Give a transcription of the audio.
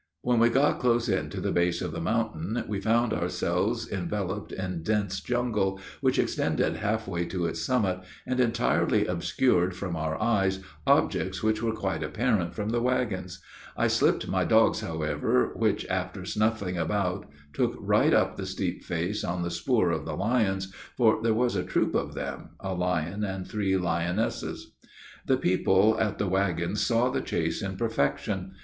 When we got close in to the base of the mountain, we found ourselves enveloped in dense jungle, which extended half way to its summit, and entirely obscured from our eyes objects which were quite apparent from the wagons, I slipped my dogs, however, which, after snuffing about, took right up the steep face on the spoor of the lions, for there was a troop of them a lion and three lionesses. The people at the wagons saw the chase in perfection.